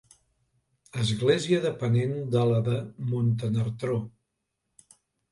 Església depenent de la de Montenartró.